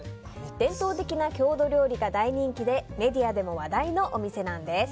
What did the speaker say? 伝統的な郷土料理が大人気でメディアでも話題のお店なんです。